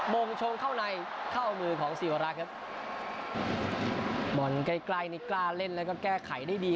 มงชงเข้าในเข้ามือของศิวรักษ์ครับบอลใกล้ใกล้นี่กล้าเล่นแล้วก็แก้ไขได้ดี